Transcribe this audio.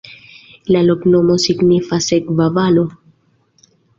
La loknomo signifas: seka valo.